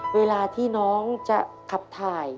เวลาที่น้องจะขับถ่าย